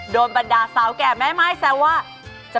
โดนบรรดาเซาแก่แม่ไม้แซวว่า